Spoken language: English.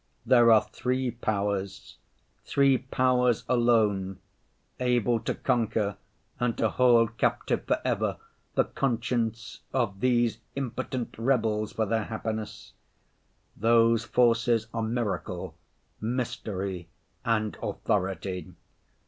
There are three powers, three powers alone, able to conquer and to hold captive for ever the conscience of these impotent rebels for their happiness—those forces are miracle, mystery and authority.